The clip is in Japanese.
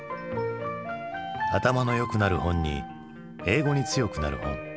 「頭のよくなる本」に「英語に強くなる本」。